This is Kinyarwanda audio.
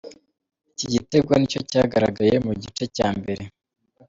Iki gitego nicyo cyagaragaye mu gice cya mbere.